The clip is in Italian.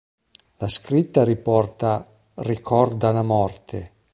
La scritta riporta: "Ricorda la morte".